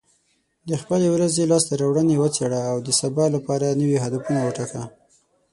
د خپلې ورځې لاسته راوړنې وڅېړه، او د سبا لپاره نوي هدفونه وټاکه.